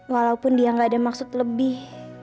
walaupun dia gak ada maksud lebih